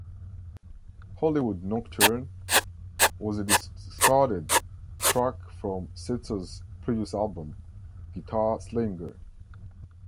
"Hollywood Nocturne" was a discarded track from Setzer's previous album, "Guitar Slinger".